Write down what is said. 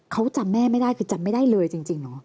เขาจำแม่ไม่ได้คือจำไม่ได้เลยจริงเหรอ